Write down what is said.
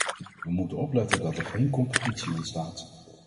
We moeten opletten dat er geen competitie ontstaat.